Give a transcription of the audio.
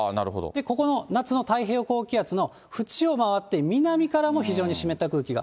ここの夏の太平洋高気圧のふちを回って、南からも非常に湿った空気が。